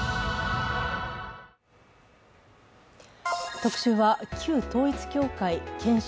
「特集」は旧統一教会検証